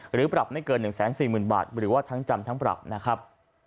หรือปรับไม่เกิน๑๔๐๐๐บาทหรือว่าทั้งจำทั้งปรับนะครับ